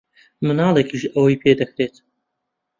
منداڵێکیش ئەوەی پێ دەکرێت.